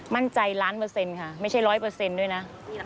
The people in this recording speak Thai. มั่นใจล้านเปอร์เซ็นต์ค่ะไม่ใช่ร้อยเปอร์เซ็นต์ด้วยนะ